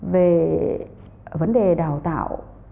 về vấn đề đào tạo